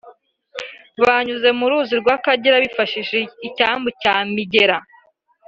banyuze mu ruzi rw’Akagera bifashishije icyambu cya Migera